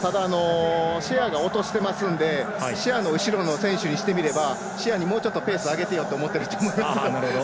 シェアが落としてるのでシェアの後ろの選手にしてみればシェアにもうちょっとペース上げてよって思ってると思います。